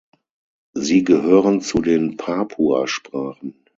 Sie gehören zu den Papuasprachen.